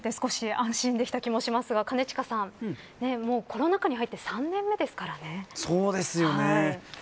その言葉を聞けて少し安心できた気もしますが兼近さんもコロナ禍に入って３年目ですからね。